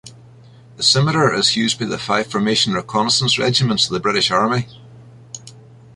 The Scimitar is used by the five formation reconnaissance regiments of the British Army.